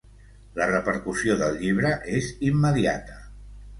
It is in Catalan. La repercussió del llibre és immediata.